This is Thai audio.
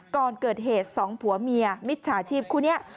ก่อนเกิดเหตุสองผัวเมียมิจฉาชีพคู่นี้